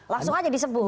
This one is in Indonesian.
langsung aja disebut